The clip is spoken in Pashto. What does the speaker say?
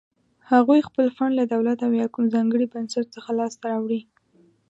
هغوی خپل فنډ له دولت او یا کوم ځانګړي بنسټ څخه لاس ته راوړي.